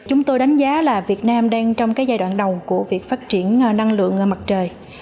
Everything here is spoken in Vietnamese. chúng tôi đánh giá là việt nam đang trong cái giai đoạn đầu của việc phát triển năng lượng mặt trời